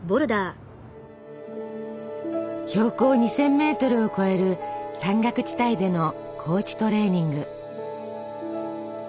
標高２，０００メートルを超える山岳地帯での高地トレーニング。